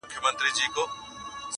بس ما هم پیدا کولای سی یارانو!.